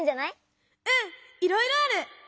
うんいろいろある！